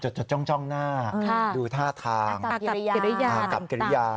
จดจดจ้องจ้องหน้าค่ะดูท่าทางอากับเกรยาอากับเกรยา